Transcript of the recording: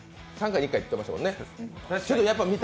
３回に１回って言ってましたもんね。